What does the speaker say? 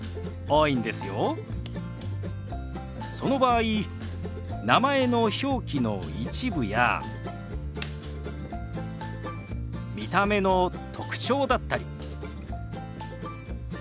その場合名前の表記の一部や見た目の特徴だったり。